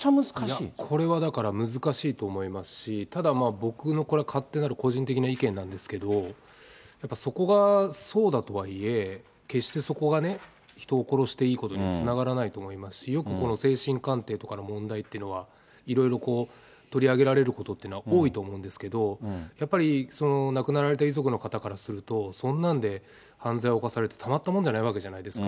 いや、これはだから難しいと思いますし、ただ、僕の勝手なる個人的な意見なんですけど、やっぱそこがそうだとはいえ、決してそこが人を殺していいことにつながらないと思いますし、よく精神鑑定とかの問題というのは、いろいろ取り上げられることっていうのは多いと思うんですけど、やっぱり亡くなられた遺族の方からすると、そんなんで犯罪を犯されてたまったもんじゃないわけじゃないですか。